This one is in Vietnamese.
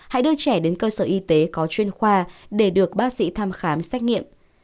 hãy đưa trẻ đến cơ sở y tế có chuyên khoa để được bác sĩ thăm khám xét nghiệm